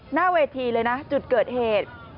หน้าเวทีเลยนะจุดเกิดเหตุ